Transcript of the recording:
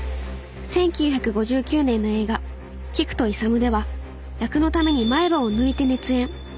１９５９年の映画「キクとイサム」では役のために前歯を抜いて熱演。